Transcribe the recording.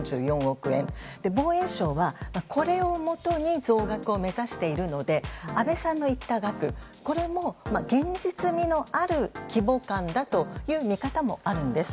防衛省は、これをもとに増額を目指しているので安倍さんの言った額これも現実味のある規模感だという見方もあるんです。